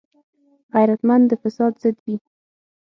غیرتمند د فساد ضد وي